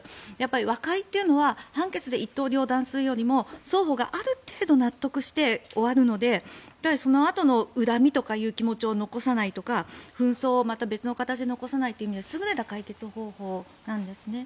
和解というのは判決で一刀両断するよりも双方がある程度納得して終わるのでそのあとの恨みとかの気持ちを残さないとか紛争をまた別の形で残さないという意味で優れた解決方法なんですね。